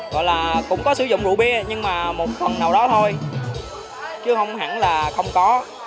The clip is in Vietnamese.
gọi là cũng có sử dụng rượu bia nhưng mà một phần nào đó thôi chứ không hẳn là không có